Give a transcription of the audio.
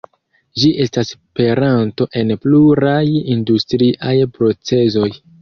Ĝi estas peranto en pluraj industriaj procezoj.